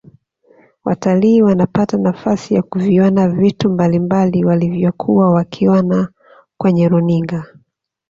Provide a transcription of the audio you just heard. watalii wanapata nafasi ya kuviona vitu mbalimbali walivyokuwa wakiona kwenye runinga